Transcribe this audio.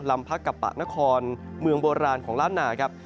ลำพระกับปะนครเมืองโบราณของลาฝนาครับ